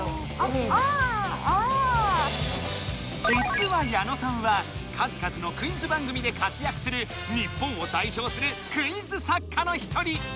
じつは矢野さんは数々のクイズ番組で活やくする日本をだいひょうするクイズ作家の一人。